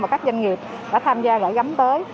mà các doanh nghiệp đã tham gia gửi gắm tới